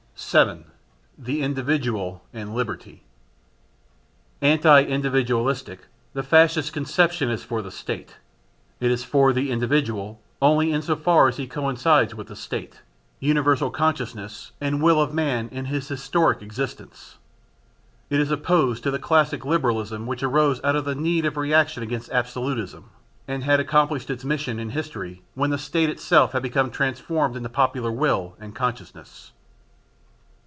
7. The Individual and Liberty. Anti individualistic, the Fascist conception is for the State; it is for the individual only in so far as he coincides with the State, universal consciousness and will of man in his historic existence. It is opposed to the classic Liberalism which arose out of the need of reaction against absolutism, and had accomplished its mission in history when the State itself had become transformed in the popular will and consciousness.